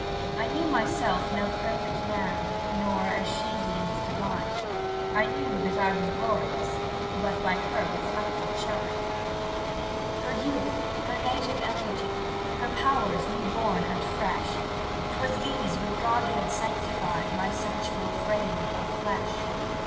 I knew myself no perfect man, Nor, as she deemed, divine; I knew that I was glorious but By her reflected shine; "Her youth, her native energy, Her powers new born and fresh, 'Twas these with Godhead sanctified My sensual frame of flesh.